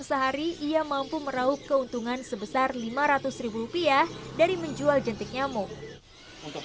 sehari ia mampu meraup keuntungan sebesar lima ratus rupiah dari menjual jentik nyamuk untuk